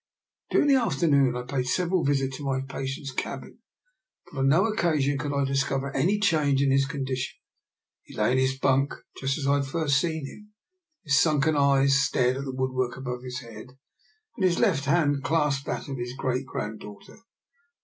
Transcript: During the afternoon I paid several visits to my patient's cabin; but on no occasion could I discover any change in his condition. He lay in his bunk just as I had first seen him; his sunken eyes stared at the woodwork above his head, and his left hand clasped that of his great 88 DR.